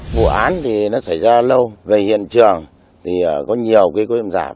vụ án thì nó xảy ra lâu về hiện trường thì có nhiều cái cơ hội giảm